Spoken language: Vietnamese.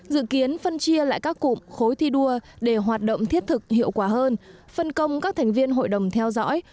dự kiến phân chia lại các cụm khối thi đua để hoạt động thiết thực hiệu quả hơn phân công các thành viên hội đồng theo dõi